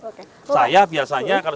oke saya biasanya kalau